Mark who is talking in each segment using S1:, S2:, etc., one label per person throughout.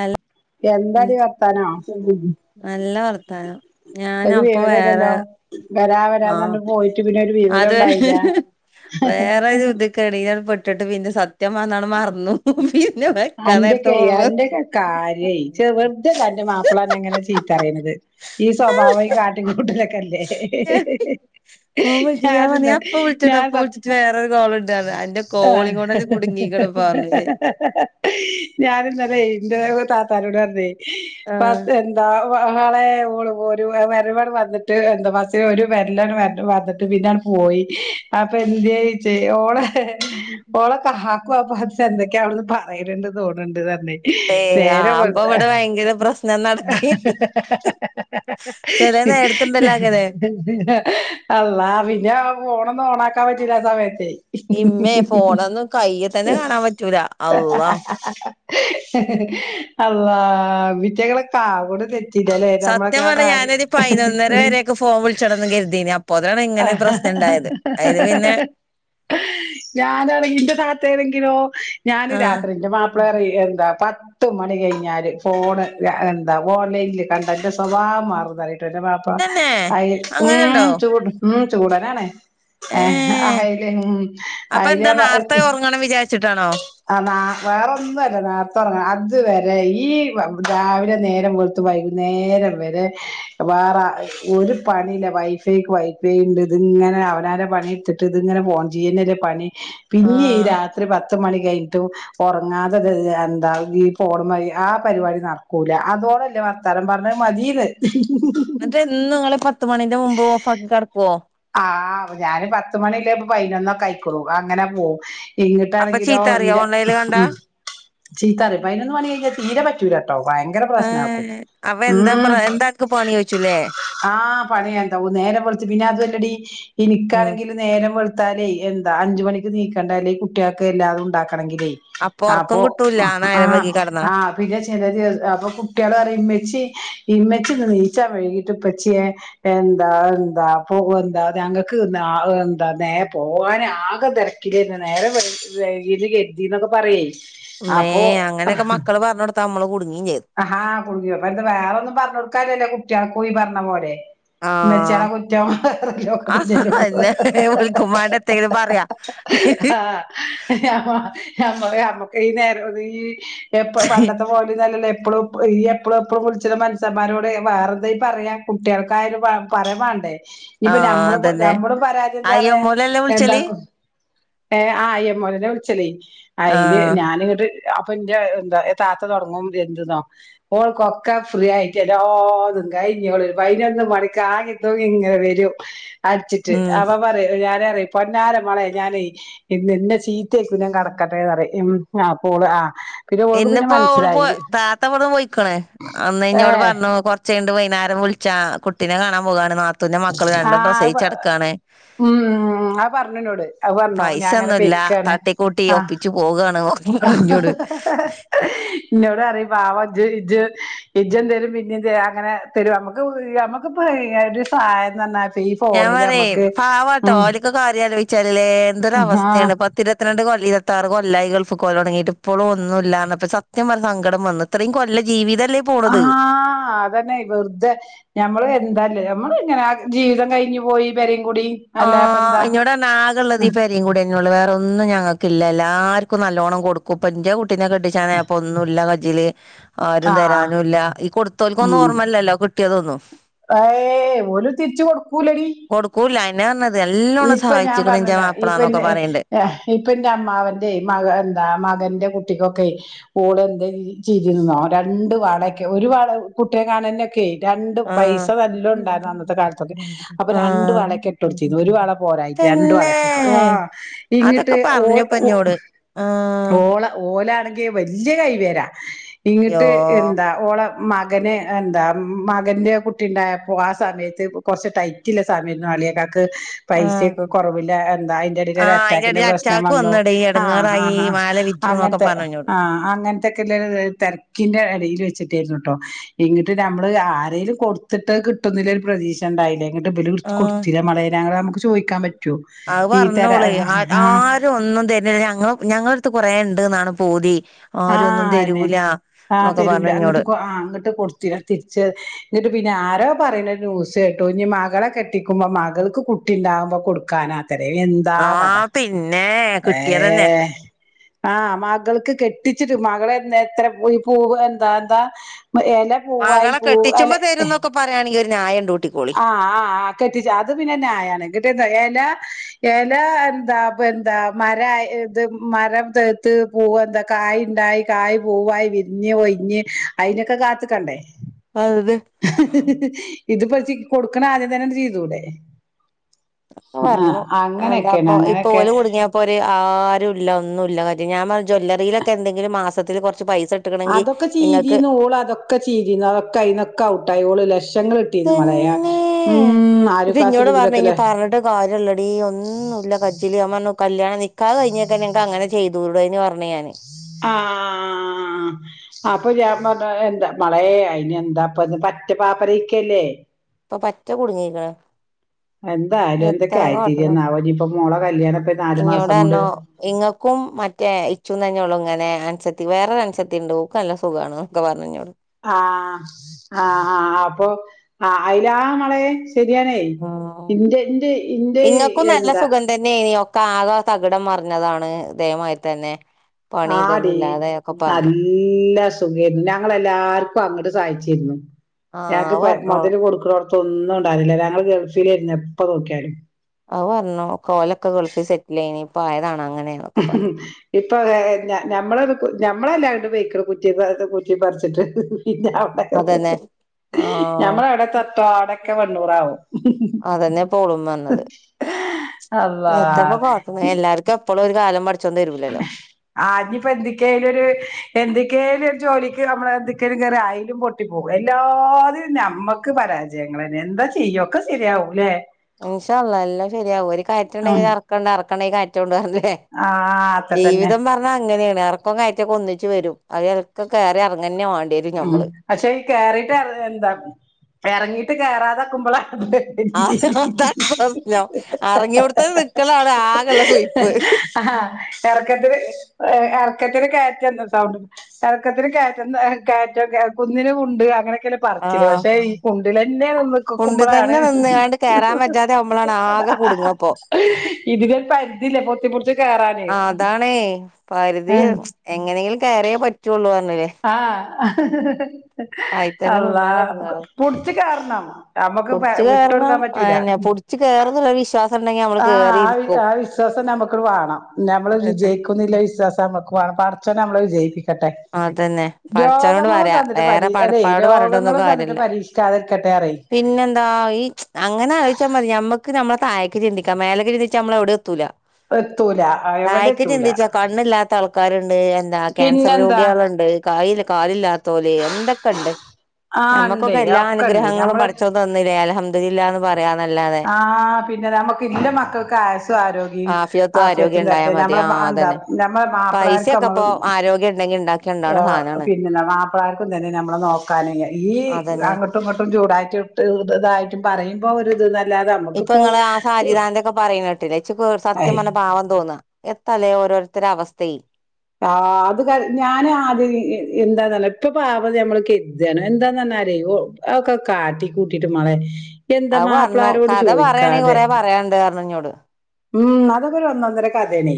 S1: അല്ല
S2: എന്താടി വർത്താനോ
S1: നല്ല വർത്താനം ഞാന
S2: ഒരു
S1: അപ്പൊ വേറെ
S2: വിവരല്ലല്ലോ വരാ
S1: ആ
S2: വരാന്ന് പറഞ്ഞ് പോയിട്ട് പിന്നെ ഒരു വിവരം
S1: അത്
S2: ഉണ്ടായില്ല
S1: വേറെരു ഇത് ക്കെറിയപെട്ടു ഇന്ന്ട്ട് പിന്നെ സത്യം പറഞ്ഞാ അത് മറന്നു വെക്കാൻ നേരത്ത്
S2: അന്റൊക്കെ
S1: ഓർമ്മ വന്ന്
S2: അന്റൊക്കെ കാര്യയ് വെറുതല്ല അന്റെ മാപ്പിള അന്നെ ഇങ്ങനെ ചീത്തറയ്ണത് ഈ സ്വഭാവം ഈ കാട്ടി കൂട്ടല്
S1: ഫോൺ വിളിച്ചു ഞാൻ പറഞ്ഞ് ഞാൻ ഇപ്പ വിളിച്ചട്ടോ
S2: ഞാൻ
S1: ഇപ്പ
S2: സ
S1: വിളിച്ചിട്ട് വേറൊരു കോളുണ്ട് പറഞ്ഞ് അന്റെ
S2: ആ
S1: കോളിങ് കൊണ്ടന്നെ കുടുങ്ങീക്ക്ണ് ഇപ്പൊ പറഞ്ഞ്
S2: ഞാന് ഇന്നലെയ് ഞാൻ താത്താനോട്‌ പറഞ്ഞേയ്
S1: ആഹ്
S2: പാത്തു എന്താ ഓള് [unintelligible] പോയി അപ്പോ എന്തേയ്‌ ചെ ഓളെ ഓളെ കാക്കു അപ്പോ എന്തൊക്കെയാ അവ്ട്ന്ന് പറയന്ന്ണ്ട് തോന്നുണ്ട് ന്ന് പറഞ്ഞ്
S1: ഏഹ്
S2: നേരം
S1: അപ്പൊ
S2: വെള്ത്താ
S1: ഇവിടെ ഭയങ്കര പ്രശ്നം നടക്കേനി ചെല നേരത്തുണ്ടല്ലോ അങ്ങനെ
S2: അല്ലാഹ് പിന്നെ ഫോണൊന്നും ഓണാക്കാൻ പറ്റൂല്ല ആ സമയത്ത്.
S1: ഇമ്മേ ഫോണൊന്നും കയ്യിൽ തന്നെ കാണാൻ പറ്റൂല അള്ളാ
S2: അല്ലാഹ് ഇവിറ്റകള് [unintelligible] തെ പിന്നെല്ലേ
S1: സത്യം
S2: നമ്മളൊക്കെ ആ
S1: പറഞ്ഞ
S2: കാര്യം.
S1: ഞാനൊരു പതിനൊന്നര വരെയൊക്കെ ഫോൺ വിളിച്ചോടന്ന് കരുതീന് അപ്പോത്തിനാണ് ഇങ്ങനെ ഒരു
S2: ആഹ്
S1: പ്രശ്നം ഉണ്ടായത് അയില് പിന്നെ
S2: ഞാനാണങ്കി ഇന്റെ ത ത്താണെങ്കിലോ ഞാന്
S1: ആഹ്
S2: രാത്രി ഇന്റെ മാപ്പിള അറിം എന്താ പ പത്ത് മണി കഴിഞ്ഞാല് ഫോണ് എന്താ ഓൺലൈനിൽ കണ്ടാ ഇന്റെ സ്വഭാവം മാറും ന്ന് അറിം. ബാപ്പാ
S1: തന്നെ
S2: അയി
S1: അങ്ങനെണ്ടോ
S2: ഉം ചൂട് ഉം ചൂടനാണ്. ഏഹ് അയില് ഉം
S1: അപ്പൊ
S2: അയില്
S1: എന്താ
S2: ഞാൻ പ
S1: നാർത്തെ ഉറങ്ങണം വിചാരിച്ചിട്ടാണോ
S2: ർഞ്ഞാ വേറൊന്നും അല്ല. നേര്തൊറ്ങ്ങണ അത് വരെ ഈ രാവിലെ നേരം വെൾത്ത് വൈകുന്നേരം വരെ വേറ ഒരു പണി ഇല്ല വൈഫൈക്ക് വൈ ഫൈണ്ട്. ഇതിങ്ങനെ അവനാന്റെ പണി ഇട്ത്തിട്ട് ഇതിങ്ങനെ ഫോൺ ചെയ്യന്നല്ലേ പണി. പിന്നെ ഈ
S1: ആഹ്
S2: രാത്രി പത്ത് മണി കയ്ന്ന്ട്ടും ഒറങ്ങാത ഇത് എന്താ ഈ ഫോണുമ്മ ആ പരിപാടി നട്ക്കൂല. അതോളല്ലേ വർത്താനം പർഞ്ഞ മതീന്ന്.
S1: ന്നിട്ട് എന്നും ങ്ങള് പത്ത് മണിന്റെ മുമ്പ് ഓഫാക്കി കട്ക്കോ?
S2: ആഹ് ഞാന് പത്ത് മണിള്ള ഇപ്പൊ പൈനൊന്നൊക്കെ ആയിക്ക്ണു. അ അങ്ങനെ പോവും.
S1: അപ്പൊ
S2: ഇങ്ങിട്ടാണെങ്കിലോ
S1: ചീത്ത അറിയോ
S2: ഇന്റെ
S1: ഓൺലൈനിൽ കണ്ടാ
S2: ഉം ചീത്തറിം. പയ്നൊന്ന് മണി കഴിഞ്ഞാ തീരെ പറ്റൂലട്ടോ. ഭയങ്കര പ്രശ്നാക്കും. ഉം
S1: [unintelligible] പണിയോയ്ച്ചു ല്ലേ?
S2: ആഹ് പണിയണ്ടാവും. നേരം വെൾത്ത് പിന്നെ അതും അല്ലെടി
S1: ഉം
S2: ഇനിക്കാണെങ്കില് നേരം വെൾത്താലേ എന്താ അഞ്ച് മണിക്ക് നീക്കണ്ടല്ലേ ഈ കുട്ട്യാക്ക് എല്ലാതും ഉണ്ടാക്ക [unintelligible] ആഹ്
S1: ഒറക്കം
S2: അപ്പൊ
S1: കിട്ടൂല നേരം
S2: ആഹ്
S1: വൈകി കെടന്നാ
S2: ആഹ് പിന്നെ ചെലരു അപ്പൊ കുട്ട്യാള് പറയും ഇമ്മെച്ചി ഇന്ന്ച്ചാ [unintelligible] ഇപ്പച്ചിയെ എന്താ എന്താ പ്പോകുവെന്താ ഞങ്ങക്ക് നാ എന്താ നേ പോകാന് ആകെ തെരക്കിലേയ്രിന്ന് നേരം [unintelligible] [unintelligible] പറയേ
S1: മ്മേ
S2: അപ്പൊ ആ
S1: അങ്ങനെയൊക്കെ മക്കള് പറഞ്ഞൊടുത്താ അമ്മള് കു
S2: ആഹാ കുടുങ്ങിയപ്പ അത് വേറൊന്നും പറഞ്ഞ് കൊടുക്കാനില്ലല്ലോ കുട്ടികൾക്കോയി പറഞ്ഞ പോലെ ഇമ്മച്യാള
S1: ആഹ്
S2: കുറ്റം
S1: ആഹ് അതന്നെ വിളിക്കുമ്മാണ്ട് എത്തേലും പറയാ
S2: [unintelligible] ആഹ് [unintelligible] ഞമ്മള് ഞമ്മക്ക് ഈ നേര ഈ എപ്പ പണ്ടത്തെ പോലേന്നു അല്ലല്ല എപ്പളും എപ്പ ഈ എപ്പളും എപ്പളും വിളിച്ചണ് മനസ്സന്മാരോട് വേറെ എന്താ ഈ പറയാ കുട്ടികൾക്കായാലും പ പറയാൻ വേണ്ടേ ഇപ്പൊ
S1: ആഹ്
S2: ഞമ്മളിപ്പൊ
S1: അതന്നെ
S2: ഞമ്മള് പരാതി എന്താ പറയാ
S1: അയ്യമ്മൂലല്ലേ വിളിച്ചല്
S2: എണ്ടാക്കും. ഏഹ് അഹ് ഐ എമ്മോയിലാ വിളിച്ചല് അയില്
S1: ആഹ്
S2: ഞാനന്നിട്ട് അഹ് അപ്പൊ ഇന്റ എന്താ താത്ത തൊടങ്ങും [unintelligible] [unintelligible] ഓൾക്കൊക്ക ഫ്രീ ആയിട്ടെല്ലാതും കഴിഞ്ഞ് ഓളൊരു പതിനൊന്ന് മണിക്ക് ആങ്ങി തൂ ങ്ങി ഇങ്ങനെ വരും അടിച്ചിട്ട്
S1: ഉം
S2: അപ്പ പറയും ഞാ നറയും പൊന്നാര മോളെ ഞാനെ ഇന്നിന്ന് ചീത്തകേക്കും ഞാൻ കെടക്കട്ടേന്ന് പറയും. ഇം അപ്പ ഓള് ആഹ്
S1: ഇന്നിപ്പോ ഓള് പോയ് താ ത്ത ഇവിടുന്ന് പോയിക്കണ്. അന്ന്
S2: ഏ
S1: ഇഞ്ഞോട് പറഞ്ഞു കൊറച്ച്കയ്ഞ്ഞെട്ട് വൈകുന്നേരം വിളിച്ചാ കുട്ടിനെ കാണാൻ പോകാണ് നാ ത്തൂന്റെ മക്കള്
S2: ആ
S1: രണ്ടും
S2: അത്
S1: പ്രസവിച്ച്കെടക്കാണ്
S2: ഉം അത് പറഞ്ഞുന്നോട് അത് പറഞ്ഞു ഞാൻ അങ്ങനെ
S1: പൈസയൊന്നുവില്ല. അഹ്
S2: പെയ്ക്കാണ്
S1: തട്ടിക്കൂട്ടി
S2: ആഹ്
S1: ഒപ്പിച്ച് പോകാണ് പറഞ്ഞോട്
S2: ഇന്നോട് പറയും പാവം ഇജ്ജ് ഇജ്ജ് ഇജ്ജെന്തേലും പിന്നേം ത അങ്ങനേ തരും നമു ക്ക് നമുക്കിപ്പ് ഒര് സഹായന്ന് പറഞ്ഞാല്
S1: ഞാൻ പറയും പാവാട്ടോ ഓരക്ക കാര്യം ആലോചിച്ചാലല്ലേ എന്തൊരു
S2: ആഹ്
S1: അവസ്ഥയാണ് പത്തിരുപത്തിരണ്ട് കൊല്ലം ഇരു ത്താറു കൊല്ലായി ഗൾഫിപോകല് തൊടങ്ങിയിട്ട് ഇപ്പോളും ഒന്നൂല്ലാന്നപ്പ സത്യം പറഞ്ഞ സങ്കടം വന്ന് ഇത്രയും കൊല്ലം ജീവിതം
S2: ഹാ അതന്നെ വെറുതെ ഞമ്മള് എന്താല്ലേ നമ്മള് ഇങ്ങനെ ആ ജീവിതം കഴിഞ്ഞു പോയി പെരിം
S1: ഓ ഇന്നോടർഞ്ഞു ആകള്ളത് ഈ പെരിം കുടിന്നൊള്ളൂ വേറെ ഒന്ന് ഒന്നും ഞങ്ങൾക്കില്ല എല്ലാർക്കും നല്ലോണം കൊടുക്കും പ്പൊ ഇന്റെ കുട്ടിനെ കെട്ടിച്ചാനായപ്പോ ഒന്നുല്ല കജ് ജ്ജില് ആരും
S2: ആഹ്
S1: തരാനുല്ല ഈ കൊടുത്തോൽക്കൊന്നും ഓർമ്മല്ലല്ലോ കിട്ടിയതൊന്നും
S2: ആയേ ഓല് തിരിച്ചുകൊടു
S1: കുടുക്കൂലാ അയ്നെർഞ്ഞത്
S2: ഇപ്പൊ ഞാൻ പറഞ്ഞരാ ഈ ഇപ്പന്ന ഏ
S1: പറയണ്ട്.
S2: അഹ് ഇപ്പ എന്റെ അമ്മാവൻന്റെ മക എന്താ മകന്റെ കു കുട്ടിക്കൊക്കെയ് ഓലെന്തെങ്കി ചെയ്തിന്നോ രണ്ടു വളൊക്കെ ഒരു വള കുട്ടിനെകാണൽനൊക്കെയ് രണ്ട്
S1: ആഹ്
S2: പൈസ നല്ലോണ്ടായിരുന്നു അന്നത്തെ കാലത്തൊക്കെ അപ്പൊ രണ്ട്
S1: ആഹ്
S2: വളൊക്കെ ഇട്ട് കൊടുത്തി ഒരു വള പോരായിറ്റ് രണ്ട്
S1: തന്നെ
S2: വളൊക്കെട്ട് ആഹ് ഇങ്ങിട്ട്
S1: അതൊക്കെ
S2: ഓ
S1: പറഞ്ഞുപ്പ
S2: ഓ
S1: എന്നോട് ആഹ്
S2: ഓള ഓലാണെങ്കി വല്ല്യ കൈവേരാ
S1: യ്യോ
S2: ഇങ്ങിട്ട് എന്താ ഓളമ്മാ മകന് എന്താ മകന്റെ കുട്ടിണ്ടായപ്പോ ആ സമയത്ത് കൊർച്ച് ടൈറ്റ്ള്ള സമയംരുന്നു അളിയാക്കാ ക്ക്
S1: ആഹ്
S2: പൈസൊക്കെ കുറവില്ല എന്താ അയ്ന്റെടീല്
S1: ആഹ് അയിന്റെ
S2: അറ്റാക്കിന്റെ
S1: എടേല്
S2: പ്രശ്നം
S1: അറ്റാക്ക്
S2: വന്നു
S1: വന്നെടീ
S2: ആ
S1: എടങ്ങേറായി മാല വിറ്റുന്നൊക്കെ
S2: അങ്ങൻത്തെ
S1: പറഞ്ഞു എന്നോട്
S2: ആ അങ്ങൻത്തൊക്കെള്ള തെര്ക്കിന്റെ എടീൽ വെച്ചിട്ട് ക്കേര്ന്ന്ട്ടൊ ഇങ്ങിട്ട് നമ്മള് ആരേലും കൊടുത്തിട്ട് കിട്ടുന്നില് ഒരു പ്രതീക്ഷ ഉണ്ടായില്ലേ ന്നിട്ട് ഇബര്ട്ത്
S1: ആഹ്
S2: കൊടുത്തില മളേനങ്ങളെ നമുക്ക് ചോിക്കാൻ പറ്റു
S1: അത് പർഞ്ഞോള് ആ ആരും ഒന്നും തരുന്നില്ല ഞ ഞങ്ങ ഞങ്ങളടുത്ത് കൊറേ ഉണ്ട്ന്നാണ് പൂതി
S2: ആ
S1: ആരും ഒന്നും
S2: അയന്നെ
S1: തരൂല
S2: ആഹ്
S1: എന്നൊക്കെ
S2: തരൂല
S1: പറഞ്ഞു എന്നോട്
S2: അങ്ങിട്ട്കൊ ആഹ് അങ്ങട്ട് കൊട്ത്തി തിരിച്ച് ഇങ്ങിട്ട് പിന്നെ ആരോ പറയ്ണേ ന്യൂസ് കേട്ടു ഇനി മകളെ കെട്ടിക്കുമ്പോ മകൾക്ക് കുട്ടി ഉണ്ടാവുമ്പൊ കൊടുക്കാനാന്ന് അത്രയും എന്താ കഥ
S1: ആഹ് പിന്നെ കിട്ടിയതന്നെ
S2: ഏഹ് ആഹ് മകൾക്ക് കെ ന്നിട്ട് മകളെ എ എത്ര പോഈ പൂവ എന്താ എന്താ എല പൂവായി പൂവ എലെ
S1: ഞായണ്ടു [unintelligible]
S2: ആ ആ കെട്ടിച്ച അത് പിന്നെ നായാണ് [unintelligible] എല എന്താ പ്പെന്താ മരാ ഇത് മരം തേത്ത് പൂവെന്താ കാ കായ്ണ്ടായി കായ് പൂവായി വിരിഞ്ഞ് ഒയ്ഞ്ഞ് അയ്നൊക്കെ കാത്ത്ക്കണ്ടേ
S1: അതെ
S2: ഇത്പ്പൊ ചി കൊടുക്കണാദ്യം തെന്നെണ്ട് ചെയ്തൂടെ
S1: [inaudible]
S2: ആഹ്
S1: പറഞ്ഞു
S2: അങ്ങനെയൊക്കെയാണ്
S1: എന്താപ്പ ഇപ്പ
S2: അങ്ങനെയൊക്കെ
S1: പോലും കുടുങ്ങിയപ്പോര് ആരുല്ല ഒന്നുല്ല കാര്യ ഞാൻ പറ ജ്വല്ലറിലൊക്കെ എന്തെങ്കിലും മാസത്തിൽ കൊർ
S2: അതൊക്കെ ചീതീന്നു ഓളതൊക്കെ ചീതീന്നു അതൊക്കെ അയ്ന്നൊക്കെ ഔട്ടായി ഓള് ലക്ഷ
S1: ഏ
S2: [unintelligible]
S1: ന്ന്ട്ട് ഇന്നോട്
S2: ആലുക്കാസിലും
S1: പർഞ്ഞു ഞ്ഞി
S2: ഇതിലൊക്കെ
S1: പർഞ്ട്ട് കാര്യല്ലടീ ഒന്നും ഇല്ല കജ്ജ്ല് ഞ പർഞ്ഞു കല്യാണം നിക്കാഹ് കയ്ഞ്ഞെ ന്ന ങ്ങക്ക് അങ്ങനെ ചെയ്തൂടേന്നോ പർഞ് ഞാന്
S2: ആഹ് അപ്പൊ ഞാ പർഞ്ഞു എന്താ മളെ അയ്നെന്താ അപ്പന്ന് പറ്റ പാപ്പരായ്ക്കല്ലേ
S1: ഇപ്പൊ പറ്റ കുടുങ്ങീക്ക്ണ്
S2: എന്തായാലും എന്തൊക്കായിത്തിരും ന്നാവോ ഞ്ഞി പ്പൊ മോളെ കല്യാണം പ്പൊ നാല് മാസം കൊണ്ട്
S1: ക്കും മറ്റേ ഇച്ചും തന്നെള്ളൂ ങ്ങനെ അൻസത്തി വേറൊരു അൻസത്തിണ്ട് ഓക്ക് നല്ല സുഖാണ് ന്നൊക്കെ പർഞ് ന്നോട്
S2: ആ ആ ആ അപ്പൊ ആ അയിലാ മളെ ശെരിയാണേ
S1: ആഹ്
S2: ഇന്റെന്റെ ഇന്റെ എന്താ
S1: ക്കാകെ അ തകിടം മറിഞ്ഞതാണ് ഇതേ മാതിരിത്തെന്നെ പണി
S2: ആടി
S1: തൊന്നുംല്ലാതെ ക്കെ
S2: നല്ല സുഗെര്ന്ന് ഞങ്ങളെല്ലാർക്കും അങ്ങട്ട് സഹായിച്ചിരുന്നു
S1: ആഹ്
S2: ഞങ്ങക്ക്
S1: അത്
S2: പെ
S1: പറഞ്ഞോളു
S2: മൊതല് കൊട്ക്ക്ണോട്ത്തൊന്നും ണ്ടാവലില്ല ഞങ്ങള് ഗൾഫ്ലേന്നു എപ്പ നോക്യാലും
S1: അത് പറഞ്ഞു കോലൊക്കെ ഗൾഫിൽ സെറ്റിലേനി ഇപ്പ ആയതാണാ
S2: ഇപ്പൊ ഞ ഞമ്മള ഞമ്മളെല്ലാര്തും പെയ്ക്ക് ണ്. കുറ്റി പറ കുറ്റി പറിച്ചിട്ട് പിന്നെ അവിടെ
S1: അതന്നെ ആഹ്
S2: ഞമ്മൾ എവിടെക്കെത്തോ അവ്ടൊക്കെ വെണ്ണൂറാവും
S1: അതന്നെ ഇപോളും വന്നത്.
S2: അള്ളാ
S1: എത്താപ്പോ കാട്ട്ണ് എല്ലാർക്കും എപ്പളും ഒരു കാലം പഠ
S2: ആഞ്ഞിപ്പോ എന്ത്ക്കെലും ഒരു എന്ത് ക്കേലൊ ജോലിക്ക് നമ്മളെ ന്ത് ക്കേലും കേറി അയ്ലും പൊട്ടി പോകും എല്ലാ തും നമ്മുക്ക് പരാജയങ്ങളന്നെ എന് ന്താ ചെയ്യ ഒക്കെ ശരിയാവുലേ
S1: ഇൻഷാ അള്ളാഹ് എല്ലാം ശരിയാവും ഒരു കയറ്റം
S2: ഉം
S1: ഇണ്ടെങ്കിൽ ഇറക്കണ്ട് ഇറക്കണ്ടെങ്കി കയറ്റുണ്ട് പർഞി ലെ
S2: ആഹ് അതൊക്കെ തന്നെ
S1: ജീവിതം പറഞ്ഞാ അങ്ങനെണ് എർക്കും കയറ്റൊക്കെ ഒന്നി ച്ച് വരും [unintelligible] കേറി ഇറങ്ങന്നെ വാ
S2: ഉം പക്ഷേ ഈ കേറിയിട്ട് എന്താ ഇറങ്ങീട്ട് കേറാതക്കുമ്പളാ
S1: അത് അതാണ് പ്രശ്നം അറങ്ങിയോടുത്ത് നിക്കലാണ് ആകെള്ള സുയിപ്പ്
S2: അ ആ ഇറക്കത്തില് എർ ക്കത്തില് കേറ്റം ന്നും സൗണ്ട് എറക്കത്തിന് കേറ്റം ന്ന് കേറ്റം കുന്നിന് കുണ്ട് അങ്ങനെ ക്കെല്ലേ പറച്ചില്
S1: ആഹ്
S2: പക്ഷെ ഈ കുണ്ടില ന്നെ നിക്
S1: ഉണ്ടി
S2: കുമ്പളാണ്
S1: തന്നെ നിന്നുകാണ്ട് കേറാൻ പറ്റാതെ ആവുമ്പളാണ് ആകെ കുടുങ്ങപ്പോ
S2: ഇതിലൊര് പരിധില്ല പൊ പൊത്തിപുട്ച്ച്
S1: ആ അതാണേ പരിതി
S2: ഏഹ്
S1: എങ്ങനേലും കയറിയേ പറ്റുള്ളൂ പറഞ്ഞില്ലേ
S2: ആഹ്
S1: ആയിത്തന്നെ
S2: അള്ളാഹ് പുട്ച്ച് കേറണം നമ്മുക്ക്
S1: പുട്ച്ചു
S2: വിട്ട്
S1: കേറണം
S2: കൊടുക്കാൻ പറ്റൂല
S1: അഅന്നെ പുട്ച്ച് കേറുംന്നുള്ള വിശ്വാസ
S2: ആഹ് ആ വി ആ വിശ്വാസം നമ്മക്ക് വാണം നമ്മള്
S1: അതന്നെ
S2: വിജയിക്കുന്നില്ല വിശ്വാസം നമ്മുക്ക് വാണം പഠ് ച്ചോൻ ഞമ്മള വിജയിപ്പി ക്കട്ടെ.
S1: അതന്നെ പടച്ചോനോട്
S2: രോഗങ്ങളും
S1: പറയാ
S2: തന്നിട്ട്
S1: വേറെ
S2: പരീ അല്ലെ
S1: പടപ്പാനോട് പറഞ്ഞിട്ടൊന്നും
S2: രോഗങ്ങളും തന്നിട്ട്
S1: കാര്യല്ല
S2: പരീക്ഷിക്കാതെരക്കട്ടെ
S1: പിന്നെന്താ ഈ അങ്ങനെ അലോയ്ച്ചാ മതി ഞമ്മ ക്ക് ഞമ്മള താഴേക്ക് ചിന്തിക്കാ മേലേക്ക് ചിന്തിച്ചാ നമ്മളെവിടെ എത്തൂല്ല
S2: എത്തൂല എവിടെ
S1: തായക്ക്
S2: എത്തൂല
S1: ചിന്തിച്ച കണ്ണില്ലാത്ത ആൾക്കാര്ണ്ട് എന്താ ക്യാൻ സർ
S2: പിന്നെന്താ
S1: രോഗിയേളുണ്ട് കായി ൽ കാലില്ലാത്തോല് എന്തൊക്കെണ്ട്
S2: ആഹ് ഇണ്ട്
S1: ഞമ്മക്കൊക്കെ എല്ലാ
S2: ഒക്കെ ഇണ്ട്
S1: അനുഗ്രഹങ്ങളും പഠച്ചോൻ തന്നില്ലേ അൽഹംദുലില്ലാ ന്ന് പറ
S2: ആ പിന്നെ നമക്ക് ഇല്ല മക്കൾക്ക് ആയ്സു ആരോഗ്യം
S1: ആഫിയത്തും ആരോഗ്യം
S2: ആഫ്യത്തും
S1: ഉണ്ടായാ
S2: തരട്ടെ
S1: മതി
S2: ഞമ്മ ള് ആ ന്ത
S1: അതന്നെ
S2: നമ്മളെ മാപ്പിളാർക്കും
S1: പൈസയൊക്കെ
S2: നമ്മ
S1: ഇപ്പോ ആരോഗ്യം ഉണ്ടെങ്കി ഉണ്ടാക്കി കൊണ്ടാവണ
S2: ആഹ്
S1: സാധനാണ്
S2: പിന്നെ മാപ്പ്ളാർക്കും തന്നെ ഞമ്മളെ നോക്കാന് ഈ
S1: അതന്നെ
S2: അങ്ങട്ടും ഇങ്ങട്ടും ചൂടാറ്റി തായിട്ടും പറയുമ്പോ ഒരുത് ന്നൽ
S1: ഇപ്പൊ ഇങ്ങള് ആ സാജിതാൻ്റെക്കെ പറിണേട്ടില്ലേ ഇച്ച് പേട് സത്യം
S2: അയ്
S1: പറഞ്ഞ പാവം തോന്നാ എത്താല്ലേ ഓരോരുത്തര അവസ്ഥേ
S2: ആ അത് ക ഞാന് ആദ്യം എന്താന്നല്ല ഇപ്പൊ പാവം ന്ന് ഞമ്മൾ കര്താണ് എന്താന്നല്ല ക്കാരേ ഒ അ ഒക്കെ കാട്ടി കൂട്ടിട്ട് മളെ എന്താ
S1: അത് പറഞ്ഞു
S2: മാപ്പിളാരോട്
S1: കഥ പറയാണെങ്കി
S2: ചോയിക്കാതെ
S1: കൊറേ പറയാണ്ട് പറഞ്ഞു ഇന്നോട്
S2: ഉം അതൊക്കെ ഒരു ഒന്നൊന്നര കഫേണെ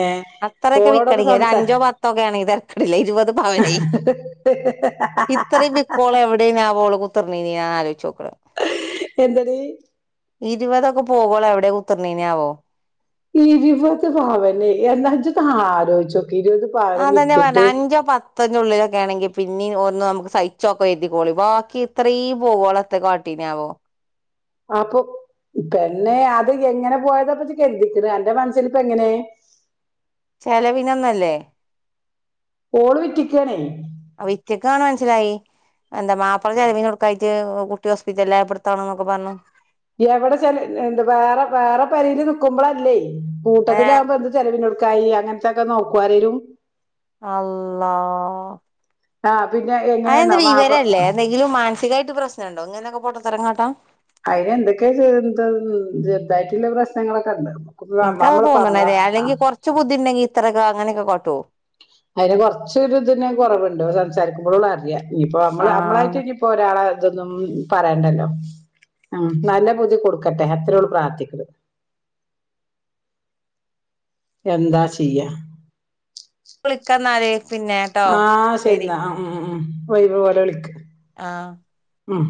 S2: ഏ
S1: അത്രയൊക്കെ
S2: ഓളോടൊക്കെ
S1: വിക്കണെങ്കി ഒരു
S2: സംസാ
S1: അഞ്ചോ പത്തോ ഒക്കെ ആണെങ്കി തരക്കടില്ല ഇരുപത് പവനേ ഇത്രയും പിക്കോളെവിടെന്യാവോ ള് കു ത്തർന്നീ ന്യെ ഞാൻ ആലോയ്ച്ചോക്ണെ
S2: എന്തടി
S1: ഇരുപതൊക്കെ പോകോളെവി ടെ കുത്ത ർന്നീന്യാവോ
S2: ഇരുപത് പവന് എന്താ ഇജൊക്കെ ആലോയിച്ചോ
S1: അതന്നെ പർഞ്ഞെ അഞ്ചോ പത്തഞ്ചോ ഉള്ളിലൊക്കെ ആണെങ്കിൽ പിന്നിം ഓ ന്നും നമുക്ക് സഹിച്ചോക്ക കര്തിക്കോളി ബാക്കി ഇത്രേം പോവോളം എത്തെ കാട്ടീന്യാവോ
S2: ആപ്പൊ പെണ്ണെ അത് എങ്ങനെ പോയതാ പ്പം കര്തീക്ണത് അന്റെ മനസ്സില് ഇപ്പം എങ്ങനെ
S1: ചെലവിനൊന്നല്ലേ
S2: ഓള് വിറ്റക്കാണെ
S1: വിറ്റ്ക്കാന്ന് മനസ്സിലായി എന്താ മാപ്പള ചെലവിനൊട്ക്കായിട്ട് ഒ കുട്ടി ഹോസ്പറ്റല്ലായപ്പോ ഇട്ത്തതാണ് ന്നൊക്കെ പറഞ്ഞു
S2: [unintelligible] വേറെ വേറെ പെരേല് നിക്കുമ്പളല്ലേ
S1: ഏ
S2: കൂട്ടത്തിലാഉമ്പോ എന്ത് ചെലവിനൊടുക്കായി അങ്ങൻത്തൊക്കെ നോക്കോ ആരേലു
S1: അള്ളാ
S2: ആഹ് പിന്നെ
S1: അഹ് ന്ത്
S2: എങ്ങനെയെന്നാ മാപ്പള
S1: വിവരല്ലേ എന്തെങ്കിലും മാനസികായിട്ട് പ്രശ്നംണ്ടോ ഇങ്ങനൊക്കെ പൊട്ടത്തെരം കാട്ടാ.
S2: അയിന് എന്തൊക്കെ [unintelligible] ചെർതായിട്ട്ള്ള പ്രശ്നങ്ങളൊക്കെണ്ട്.
S1: ഇൻക്കാ തോന്ന്ണത് അല്ലെങ്കി കൊർച്ച് ബുദ്ധിണ്ടെങ്കി ഇത്രൊക്കെ അങ്ങനൊക്കെ കാട്ടോ.
S2: അയ്ന് കൊർച്ചൊരു തിനെ കൊറവ്ണ്ട്. സംസാരിക്കുമ്പോളൊ ള്ളൂ അറിയാ. ഞ്ഞിപ്പോ അമ്മള് അമ്മളായിട്ട്
S1: ആഹ്
S2: ഇനിയിപ്പോ ഒരാളെ ഇതൊന്നും പറയണ്ടല്ലോ. ഉം നല്ല ബുദ്ദി കൊടുക്കട്ടെ അത്രോള്ളൂ പ്രാർത്ഥിക്കത്. എന്താ ചെയ്യാ
S1: വിളിക്കന്നാല് പിന്നെട്ടോ
S2: ആഹ്
S1: ശരി
S2: ശരിന്നാ അഹ് ഉം ഉം ഉം ഉ ഉ ഒയ്വോലെ വിളിക്ക്.
S1: ആഹ്
S2: ഉം